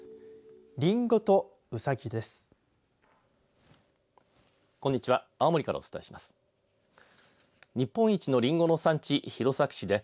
りんごとうさぎです。